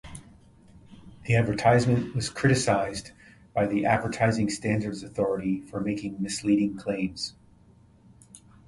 The advertisement was criticised by the Advertising Standards Authority for making misleading claims.